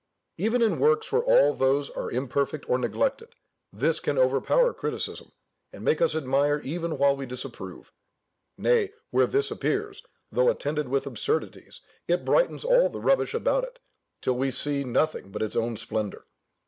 Even in works where all those are imperfect or neglected, this can overpower criticism, and make us admire even while we disapprove. Nay, where this appears, though attended with absurdities, it brightens all the rubbish about it, till we see nothing but its own splendour.